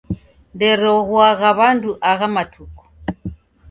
Nderoghoagha w'andu agha matuku